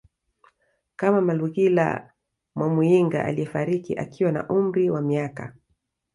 kama Malugila Mwamuyinga aliyefariki akiwa na umri wa miaka